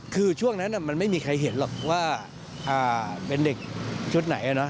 คือช่วงนั้นมันไม่มีใครเห็นหรอกว่าเป็นเด็กชุดไหน